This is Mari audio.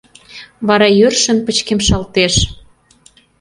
Вара йӧршын пычкемышалтеш.